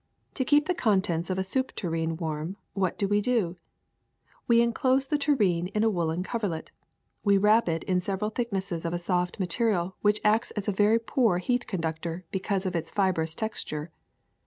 To keep the contents I of a soup tureen warm, what do we do 1 We en close the tureen in a woolen coverlet ; we wrap it in several thicknesses of a soft material which acts as a very poor heat conductor because of its fibrous texture.